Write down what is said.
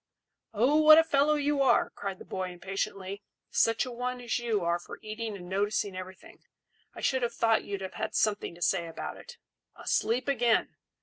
"Oh, what a fellow you are!" cried the boy impatiently. "Such a one as you are for eating and noticing everything, I should have thought you'd have had something to say about it. Asleep again!